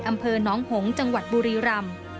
อำเภอน้องหงษ์จังหวัดบุรีรำ